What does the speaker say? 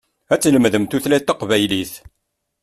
Ad tlemdem tutlayt taqbaylit.